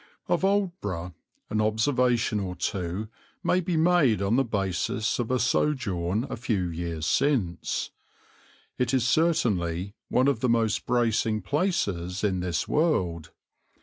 [Illustration: WOODBRIDGE STREET] Of Aldeburgh an observation or two may be made on the basis of a sojourn a few years since. It is certainly one of the most bracing places in this world.